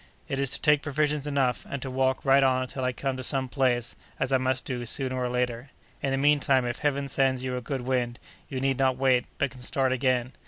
It is to take provisions enough, and to walk right on until I come to some place, as I must do, sooner or later. In the mean time, if Heaven sends you a good wind, you need not wait, but can start again.